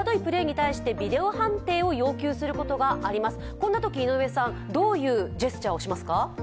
こんなとき、井上さん、どういうジェスチャーをしますか？